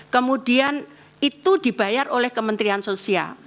kemudian itu dibayar oleh kementerian sosial